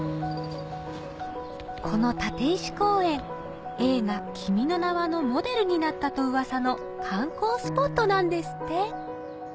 この立石公園映画『君の名は。』のモデルになったとうわさの観光スポットなんですって